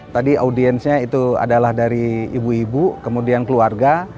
tadi audiensnya itu adalah dari ibu ibu kemudian keluarga